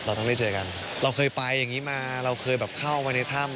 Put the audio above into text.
เราต้องได้เจอกันเราเคยไปอย่างงี้มาเราเคยแบบเข้าไปในถ้ำ